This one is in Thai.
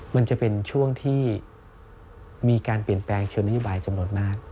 มันจะเป็นช่วงที่มีการเปลี่ยนแปลงเชิงนโยบายจำนวนมาก